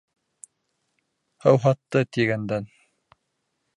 — Һыуһатты, тигәндән...